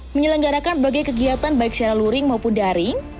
menyelenggarakan berbagai kegiatan baik secara luring maupun daring